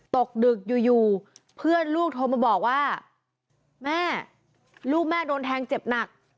ตกดึกอยู่เพื่อนลูกโทรมาบอกว่าแม่ลูกแม่โดนแทงเจ็บหนัก